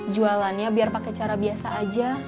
jualannya biar pakai cara biasa aja